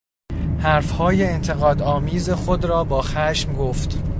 حرفهای انتقاد آمیز خود را با خشم گفت.